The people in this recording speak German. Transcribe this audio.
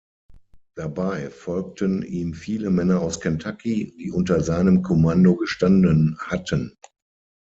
Dabei folgten ihm viele Männer aus Kentucky, die unter seinem Kommando gestanden hatten.